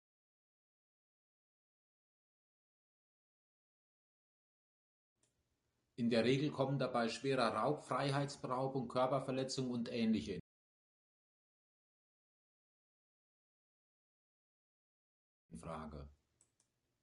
In der Regel kommen dabei schwerer Raub, Freiheitsberaubung, Körperverletzung und ähnliche in Frage.